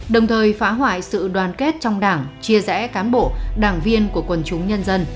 đồng thời phá hoại sự đoàn kết trong đảng chia rẽ cán bộ đảng viên của quần chúng nhân dân